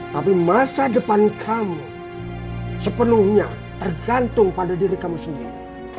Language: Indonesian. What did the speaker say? tapi masa depan kamu sepenuhnya tergantung pada diri kamu sendiri